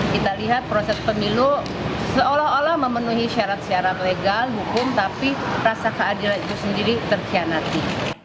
kita lihat proses pemilu seolah olah memenuhi syarat syarat legal hukum tapi rasa keadilan itu sendiri terkianati